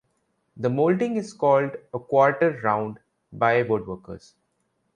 The molding is called a quarter-round by woodworkers.